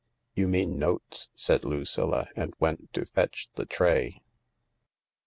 "You mean iiotes," said Lticilk, and went to fetch the tfay.